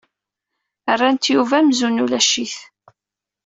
Rrant Yuba amzun ulac-it.